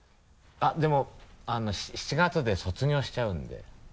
でも７月で卒業しちゃうんで。